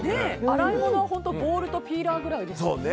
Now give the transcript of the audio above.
洗い物はボウルとピーラーぐらいですね。